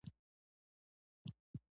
سپي د شتمنۍ محافظ وي.